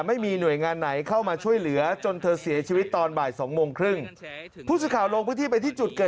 ไม่มีญาติพี่น้องที่ไหนมีเพียงลูกสาวอายุ๑๗ปีนะครับ